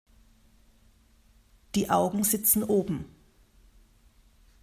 Die Augen sitzen oben.